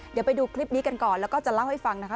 เดี๋ยวไปดูคลิปนี้กันก่อนแล้วก็จะเล่าให้ฟังนะคะ